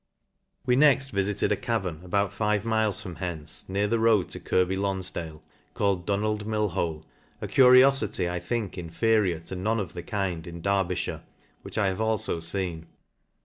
We next vifited a cavern, about five miles from hence, near the road to Kirkby Lonfdale, called Qnnald Mill Hole, a curiofity 1 think inferior to none of the kind in Derbyjkire, which I have affo feen.